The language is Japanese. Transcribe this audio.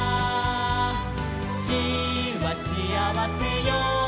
「『シ』はしあわせよ」